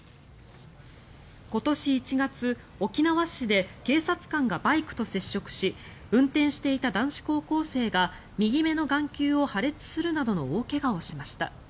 今年１月沖縄市で警察官がバイクと接触し運転していた男子高校生が右目の眼球を破裂するなどの大怪我をしました。